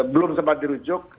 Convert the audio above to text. belum sempat dirujuk